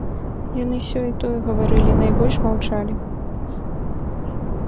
Яны сёе-тое гаварылі, найбольш маўчалі.